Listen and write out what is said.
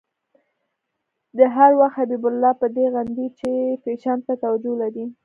ده هر وخت حبیب الله په دې غندی چې فېشن ته توجه لري.